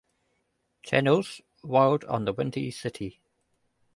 Channel's "Wild on the Windy City".